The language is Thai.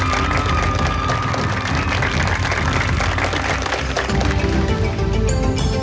ตอนต่อไป